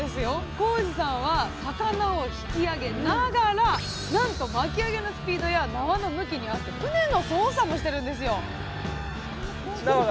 航次さんは魚を引き上げながらなんと巻き上げのスピードや縄の向きに合わせて船の操作もしてるんですよ